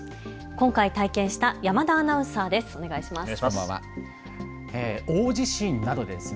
今回、体験した山田アナウンサーです。